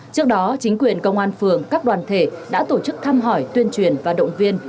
trước đó chính quyền công an phường các đoàn thể đã tổ chức thăm hỏi tuyên truyền và động viên